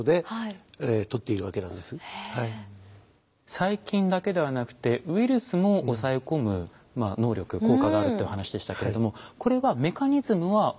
細菌だけではなくてウイルスも抑え込む能力効果があるってお話でしたけれどもこれはメカニズムは同じなんでしょうか？